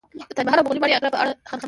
د تاج محل او مغولي ماڼۍ اګره په اړه هم